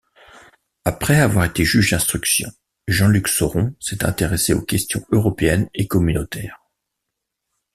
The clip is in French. Après avoir été juge d'instruction, Jean-Luc Sauron s'est intéressé aux questions européennes et communautaires.